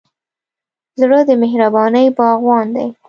زړه د مهربانۍ باغوان دی.